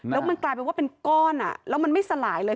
แล้วมันกลายเป็นว่าเป็นก้อนแล้วมันไม่สลายเลย